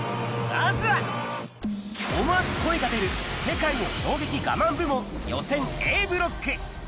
まずは、思わず声が出る、世界の衝撃ガマン部門、予選Ａブロック。